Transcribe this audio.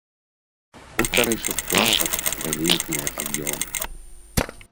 У старэйшых класах вялізныя аб'ёмы.